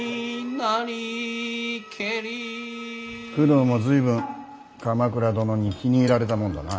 工藤も随分鎌倉殿に気に入られたもんだな。